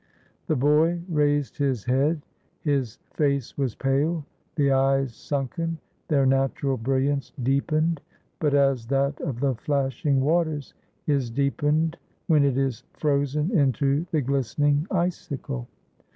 The boy raised his head. His face was pale; the eyes sunken; their natural brilliance deepened, but as that of the flashing waters is deepened when it is frozen into the glistening icicle.